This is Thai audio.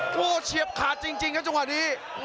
โหเชียบขาดจริงครับจังหวัดนี้